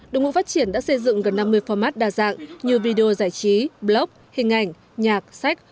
đội ngũ phát triển đã xây dựng gần năm mươi format đa dạng như video giải trí blog hình ảnh nhạc sách